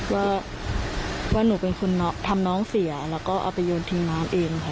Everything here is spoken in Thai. ว่าหนูเป็นคนทำน้องเสียแล้วก็เอาไปโยนทิ้งน้ำเองค่ะ